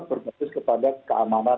berbasis kepada keamanan